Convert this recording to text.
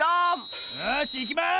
よしいきます！